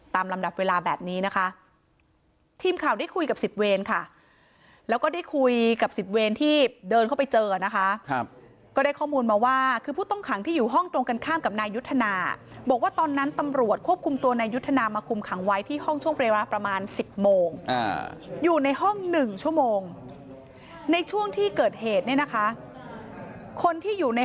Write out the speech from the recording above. ลำดับเวลาแบบนี้นะคะทีมข่าวได้คุยกับสิบเวรค่ะแล้วก็ได้คุยกับสิบเวรที่เดินเข้าไปเจอนะคะก็ได้ข้อมูลมาว่าคือผู้ต้องขังที่อยู่ห้องตรงกันข้ามกับนายยุทธนาบอกว่าตอนนั้นตำรวจควบคุมตัวนายยุทธนามาคุมขังไว้ที่ห้องช่วงเวลาประมาณ๑๐โมงอยู่ในห้องหนึ่งชั่วโมงในช่วงที่เกิดเหตุเนี่ยนะคะคนที่อยู่ใน